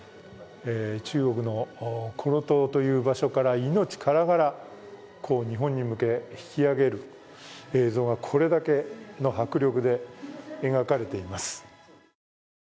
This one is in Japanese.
中国の葫蘆島という場所から命からがら日本に向け引き揚げる映像がこれだけの迫力で描かれています。